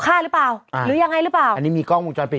ฆ่าหรือเปล่าอ่าหรือยังไงหรือเปล่าอันนี้มีกล้องวงจรปิด